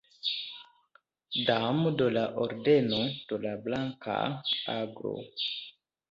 Damo de la Ordeno de la Blanka Aglo.